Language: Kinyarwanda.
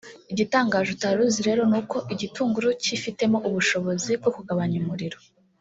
igitangaje utari uzi rero nuko igitunguru kifitemo ubushobozi bwo kugabanya umuriro